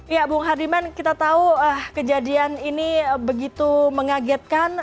ya bung hardiman kita tahu kejadian ini begitu mengagetkan